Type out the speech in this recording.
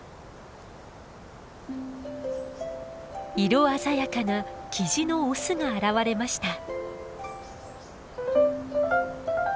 色鮮やかなキジのオスが現れました。